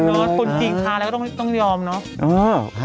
คนจริงค้าแล้วก็ต้องยอมเนอะ